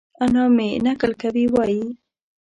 انا مې؛ نکل کوي وايي؛